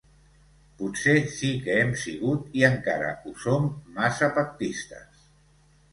Potser sí que hem sigut, i encara ho som, massa pactistes.